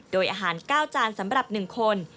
โดยอาหาร๙จานสำหรับ๑คน